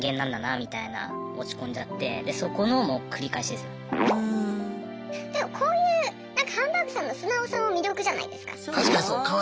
でもこういうハンバーグさんの素直さも魅力じゃないですか？